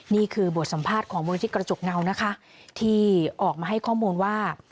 นี่คือบทสัมภาษณ์ของบริเวณอย่างกระจกเงาที่ออกมาให้ข้อมูลว่า